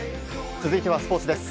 続いてはスポーツです。